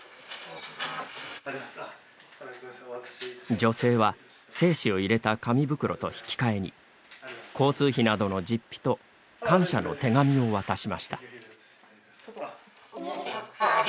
女性は、精子を入れた紙袋と引き換えに交通費などの実費と感謝の手紙を渡しました。